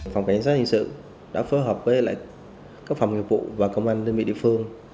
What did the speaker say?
phòng cảnh sát hình sự đã phối hợp với các phòng nghiệp vụ và công an đơn vị địa phương